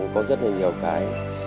thì có rất là nhiều cái